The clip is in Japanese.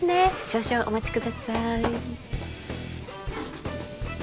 少々お待ちください